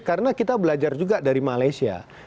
karena kita belajar juga dari masyarakat